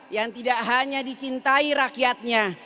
yang tidak hanya dicintai rakyatnya